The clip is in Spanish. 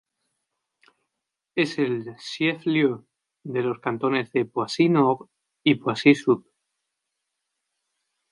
Es el "chef-lieu" de los cantones de Poissy-Nord y Poissy-Sud.